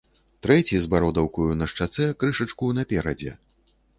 Трэці, з бародаўкаю на шчацэ, крышачку наперадзе.